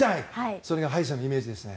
それが歯医者のイメージですね。